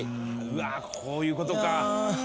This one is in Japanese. うわこういうことか。